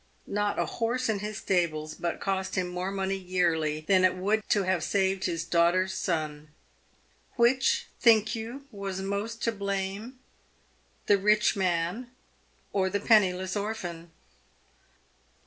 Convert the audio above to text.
Not a horse in his stables but cost him more money yearly than it would to have saved his daughter's son. Which, think you, was most to blame ? The' rich man, or the penniless orphan